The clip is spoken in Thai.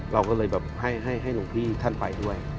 เราก็เลยแบบให้หลวงพี่ท่านไปด้วย